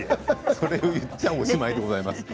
それを言ったらおしまいでございます。